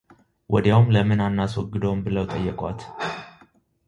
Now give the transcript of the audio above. ወዲያውም ለምን አናስወግደውም ብለው ጠየቋት፡፡